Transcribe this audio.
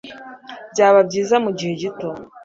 Byaba byiza mugihe gito,